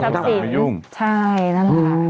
ใช่นั่นแหละ